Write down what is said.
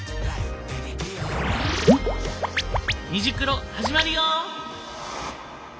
「虹クロ」始まるよ！